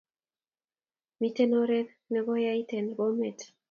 Miten oret neko yait en bomet